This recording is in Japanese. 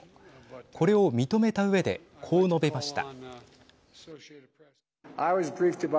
これを認めたうえでこう述べました。